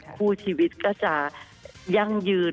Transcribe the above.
คู่ชีวิตก็จะยั่งยืน